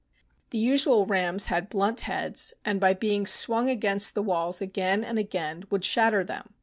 The usual rams had blunt heads, and by being swung against the walls again and again would shatter them.